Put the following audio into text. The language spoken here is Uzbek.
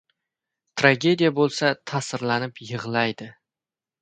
Tragediya bo‘lsa ta’sirlanib yig‘laydi.